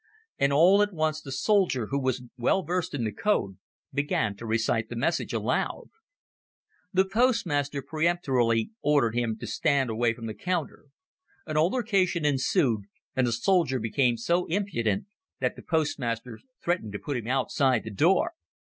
And all at once the soldier, who was well versed in the code, began to recite the message aloud. The postmaster peremptorily ordered him to stand away from the counter. An altercation ensued, and the soldier became so impudent that the postmaster threatened to put him outside the door.